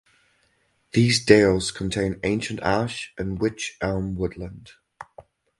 These dales contain ancient ash and wych elm woodland.